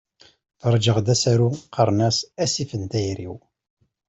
Ferrjeɣ-d asaru qqaren-as " Asif n tayri-w".